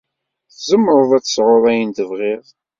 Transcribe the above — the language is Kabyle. Tzemreḍ ad tesɛuḍ ayen i tebɣiḍ.